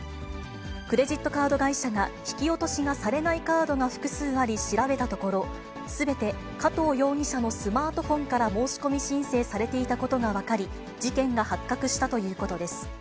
クレジットカード会社が引き落としがされないカードが複数あり調べたところ、すべて加藤容疑者のスマートフォンから申し込み申請されていたことが分かり、事件が発覚したということです。